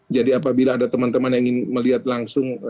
jadi apabila ada teman teman yang ingin melihat langsung